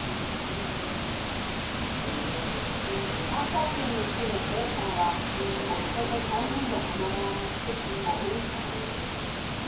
関西圏に住むＡさんは夫と３人の子どもを持つ５人家族。